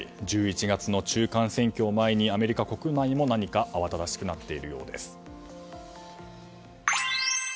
１１月の中間選挙を前にアメリカ国内も慌ただしくなっているようです。